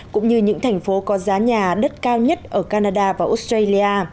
cũng như những thành phố có giá nhà đất cao nhất ở canada và australia